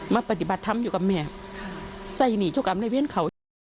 มาปฏิบัติทำอยู่กับแม่ใส่หนีชุกรรมได้เว้นเขา